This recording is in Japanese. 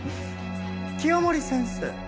清守先生。